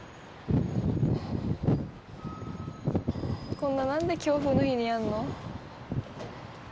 こんな、なんで強風の日にやんの？